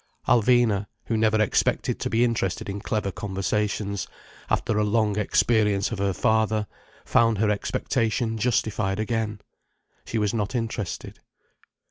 Alvina, who never expected to be interested in clever conversations, after a long experience of her father, found her expectation justified again. She was not interested.